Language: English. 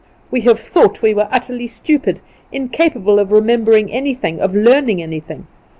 We have thought we were utterly stupid, incapable of remembering anything, of learning anything.